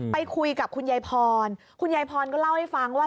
ไปคุยกับคุณยายพรคุณยายพรก็เล่าให้ฟังว่า